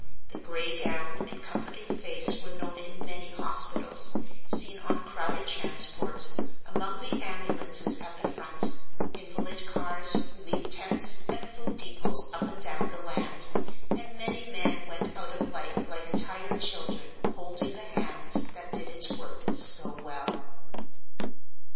The gray gown and comforting face were known in many hospitals, seen on crowded transports, among the ambulances at the front, invalid cars, relief tents, and food depots up and down the land, and many men went out of life like tired children holding the hand that did its work so well.